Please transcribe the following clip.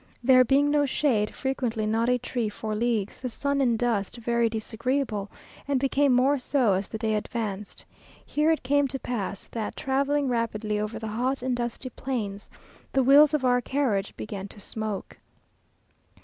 There being no shade, frequently not a tree for leagues, the sun and dust very disagreeable, and became more so as the day advanced. Here it came to pass, that, travelling rapidly over the hot and dusty plains, the wheels of our carriage began to smoke.